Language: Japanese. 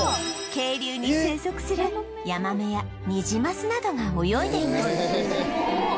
渓流に生息するヤマメやニジマスなどが泳いでいます